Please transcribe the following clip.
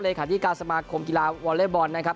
ที่การสมาคมกีฬาวอเล็กบอลนะครับ